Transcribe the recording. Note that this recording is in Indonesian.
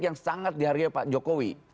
yang sangat dihargai pak jokowi